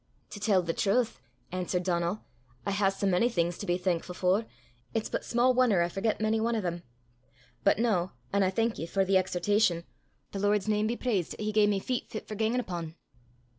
"To tell the trowth," answered Donal, "I hae sae mony things to be thankfu' for, it's but sma' won'er I forget mony ane o' them. But noo, an' I thank ye for the exhortation, the Lord's name be praist 'at he gae me feet fit for gangin' upo'!"